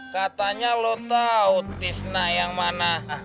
katanya lo tahu tisna yang mana